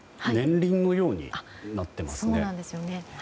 年輪のようになっていますね。